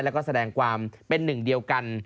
แล้วก็แสดงความเป็นหนึ่งเดียวกัน